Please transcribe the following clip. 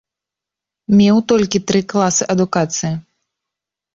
Меў толькі тры класы адукацыі.